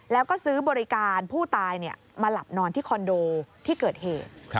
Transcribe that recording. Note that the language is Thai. แล้วก็ซื้อบริการผู้ตายมาหลับนอนที่คอนโดที่เกิดเหตุ